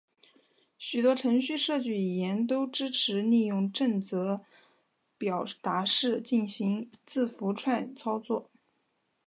许多程序设计语言都支持利用正则表达式进行字符串操作。